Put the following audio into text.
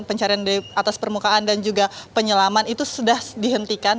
pencarian di atas permukaan dan juga penyelaman itu sudah dihentikan